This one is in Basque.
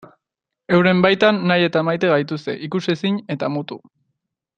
Euren baitan nahi eta maite gaituzte, ikusezin eta mutu.